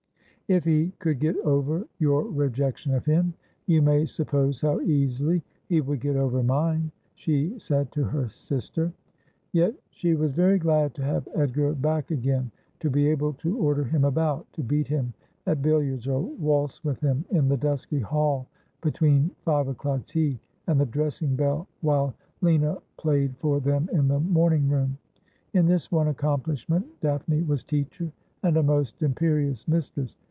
' If he could get over your rejection of him, you may sup pose how easily he would get over mine,' she said to her sister. ISi Asphodel. Yet she was very glad to have Edgar back again : to be able to order him about, to beat him at billiards, or waltz with him in the dusky hall between five o'clock tea and the dressing bell, while Lina played for them in the morning room. In this one accomplishment Daphne was teacher, and a most imperious mis tress.